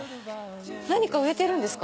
何か植えてるんですか？